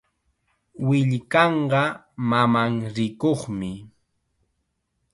Willkanqa mamanrikuqmi.